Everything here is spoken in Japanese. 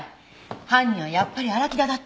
犯人はやっぱり荒木田だった。